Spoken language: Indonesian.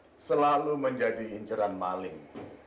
itu selalu menjadi inceran maling